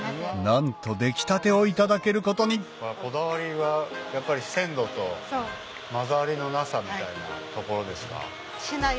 なんと出来たてをいただけることにこだわりはやっぱり鮮度と交ざりのなさみたいなところですか？